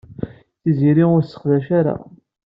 Tiziri ur tt-tesseqdac ara.